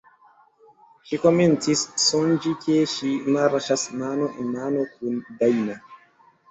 Ŝi komencis sonĝi ke ŝi marŝas mano en mano kun Dajna.